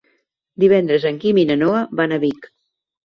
Divendres en Guim i na Noa van a Vic.